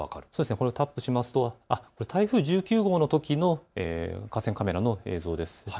これをタップしますと台風１９号のときの河川カメラの映像です。